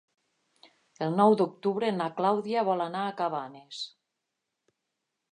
El nou d'octubre na Clàudia vol anar a Cabanes.